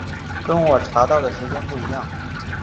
跟我查到的时间不一样